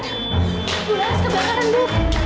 bu laris kebakaran bu